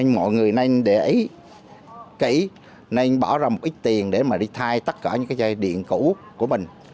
mọi người nên để ý kỹ nên bỏ ra một ít tiền để mà đi thay tất cả những cái dây điện cũ của mình